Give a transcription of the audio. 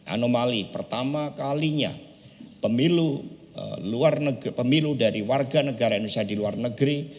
anomali pertama kalinya pemilu dari warga negara indonesia di luar negeri